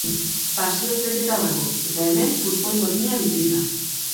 Pasioz beteta dago, eta hemen futbol gordina bizi da.